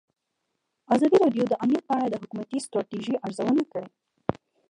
ازادي راډیو د امنیت په اړه د حکومتي ستراتیژۍ ارزونه کړې.